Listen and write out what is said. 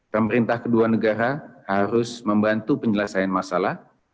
pemerintah kedua negara harus membantu penyelesaian masalah